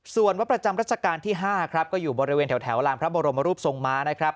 ส่วนวัดประจำรัชกาลที่๕ครับก็อยู่บริเวณแถวลานพระบรมรูปทรงม้านะครับ